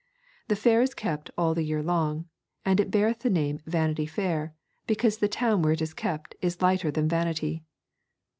The fair is kept all the year long, and it beareth the name of Vanity Fair, because the town where it is kept is lighter than Vanity.